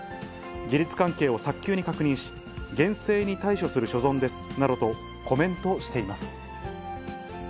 事実関係を早急に確認し、厳正に対処する所存ですなどとコメントしています。